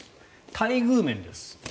待遇面です。